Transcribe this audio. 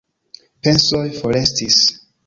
Pensoj forestis.